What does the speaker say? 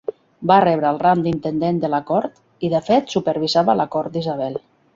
Va rebre el rang d'intendent de la cort; i de fet supervisava la cort d'Isabel.